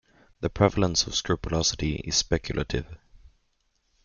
The prevalence of scrupulosity is speculative.